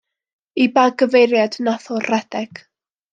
I ba gyfeiriad nath o redeg.